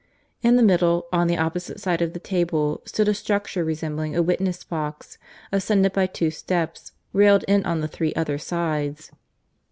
In the middle, on the opposite side of the table, stood a structure resembling a witness box, ascended by two steps, railed in on the three other sides.